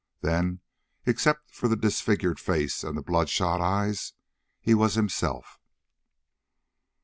Then, except for the disfigured face and the bloodshot eyes, he was himself.